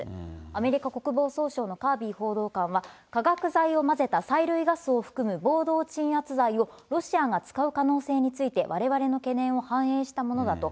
アメリカ国防総省のカービー報道官は、化学剤を混ぜた催涙ガスを含む暴動鎮圧剤を、ロシアが使う可能性について、われわれの懸念を反映したものだと。